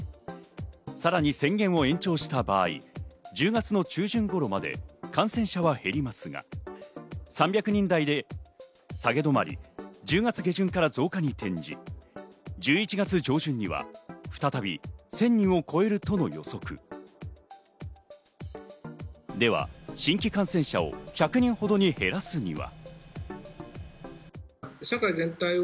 さらに宣言を延長した場合、１０月の中旬頃まで感染者は減りますが、３００人台で下げ止まり、１１月上旬には再び１０００人を超えるとの予測。では新規感染者を１００人ほどに減らすには。